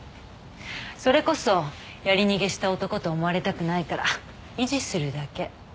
それこそやり逃げした男と思われたくないから維持するだけ。